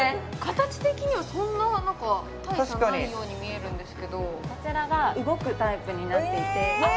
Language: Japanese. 形的にはそんな何か大差ないように見えるんですけど確かにこちらが動くタイプになっていてえ